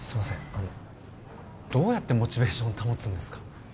あのどうやってモチベーションを保つんですか？